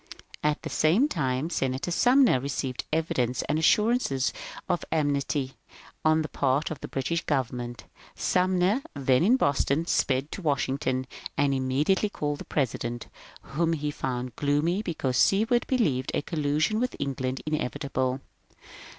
At the same time Senator Sumner received evidences and assurances of amity on the part of the British government. Sumner, then in Boston, sped to Wash ington and immediately called on the President, whom he found gloomy because Seward believed a collision with Eng land inevitable.